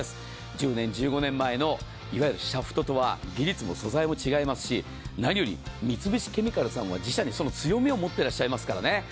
１０年、１５年前のシャフトとは技術も素材も違いますし、何より三菱ケミカルさんは自社に強みを持っていらっしゃいますからね。